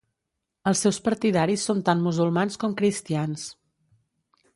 Els seus partidaris són tant musulmans com cristians.